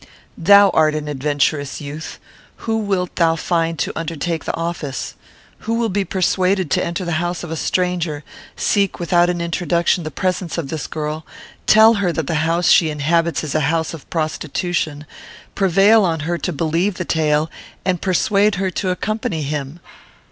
"Thou art an adventurous youth. Who wilt thou find to undertake the office? Who will be persuaded to enter the house of a stranger, seek without an introduction the presence of this girl, tell her that the house she inhabits is a house of prostitution, prevail on her to believe the tale, and persuade her to accompany him?